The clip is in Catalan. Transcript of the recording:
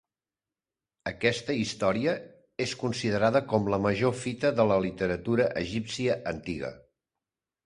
Aquesta història és considerada com la major fita de la literatura egípcia antiga.